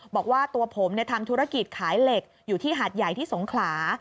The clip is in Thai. บอกว่าตัวผมทำธุรกิจขายเหล็กอยู่ที่หาดใหญ่ที่สงขลา